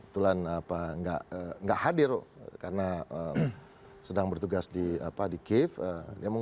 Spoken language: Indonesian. tuhan nggak hadir karena sedang bertugas di cave